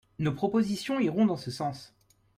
Nos propositions iront dans ce sens.